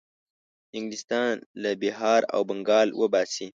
انګلیسیان له بیهار او بنګال وباسي.